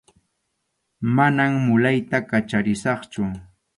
Manam mulayta kacharisaqchu.